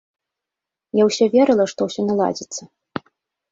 Я ўсё верыла, што ўсё наладзіцца.